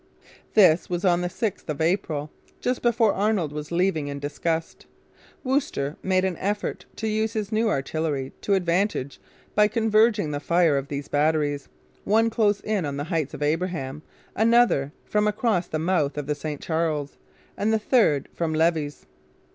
This was on the 6th of April, just before Arnold was leaving in disgust. Wooster made an effort to use his new artillery to advantage by converging the fire of three batteries, one close in on the Heights of Abraham, another from across the mouth of the St Charles, and the third from Levis.